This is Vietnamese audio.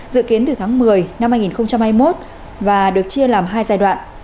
dự kiến từ tháng một mươi năm hai nghìn hai mươi một và được chia làm hai giai đoạn